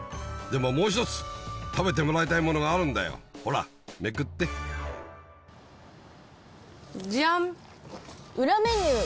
でももう一つ食べてもらいたいものがあるんだよほらめくってじゃん！